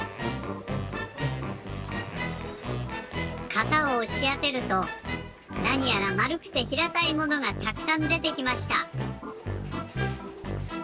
型をおしあてるとなにやらまるくてひらたいものがたくさんでてきました。